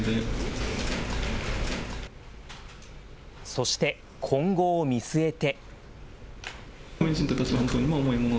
そして今後を見据えて。